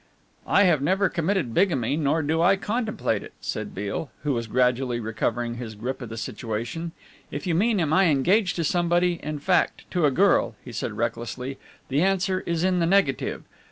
"I have neither committed bigamy nor do I contemplate it," said Beale, who was gradually recovering his grip of the situation, "if you mean am I engaged to somebody in fact, to a girl," he said recklessly, "the answer is in the negative.